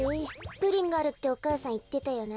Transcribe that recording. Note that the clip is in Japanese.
「プリンがある」ってお母さんいってたよな。